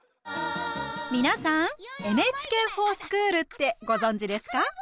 皆さん「ＮＨＫｆｏｒＳｃｈｏｏｌ」ってご存じですか？